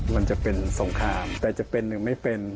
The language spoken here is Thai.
มันจะเป็นสงครามแต่จะเป็นหรือไม่เป็น